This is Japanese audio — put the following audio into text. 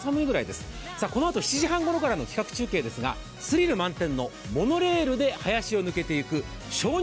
このあと７時半ごろからの企画中継ですがスリル満点のモノレールで林を抜けていく鍾乳